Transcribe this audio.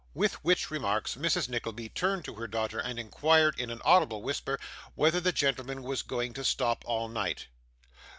With which remarks, Mrs. Nickleby turned to her daughter, and inquired, in an audible whisper, whether the gentleman was going to stop all night.